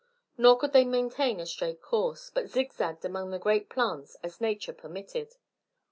Nor could they maintain a straight course, but zig zagged among the great plants as nature permitted.